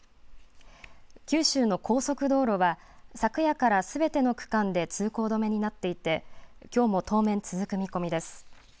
九州の高速道路は昨夜からすべての区間で通行止めになっていてきょうも当面続く見込みです。